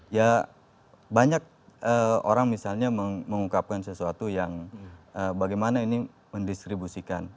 ya banyak orang misalnya mengungkapkan sesuatu yang bagaimana ini mendistribusikan